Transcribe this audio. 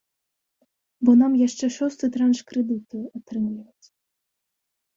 Бо нам яшчэ шосты транш крэдыту атрымліваць.